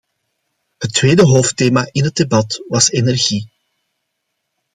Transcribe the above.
Het tweede hoofdthema in het debat was energie.